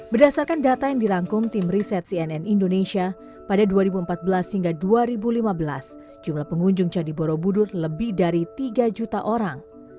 berdasarkan data yang dirangkum tim riset cnn indonesia pada dua ribu empat belas hingga dua ribu lima belas jumlah pengunjung candi borobudur lebih dari tiga juta orang